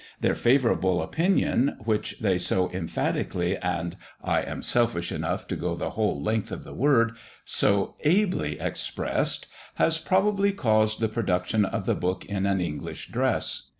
Their favourable opinion, which they so emphatically and I am selfish enough to go the whole length of the word so ably expressed, has probably caused the production of the book in an English dress.